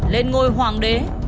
lên ngôi hoàng đế